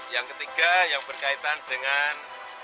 yang ketiga yang berkaitan dengan